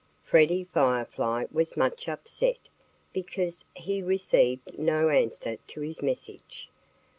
Freddie Firefly was much upset because he received no answer to his message.